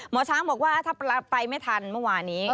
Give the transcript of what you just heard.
หมอช้างบอกว่าถ้าไปไม่ทันเมื่อวานี้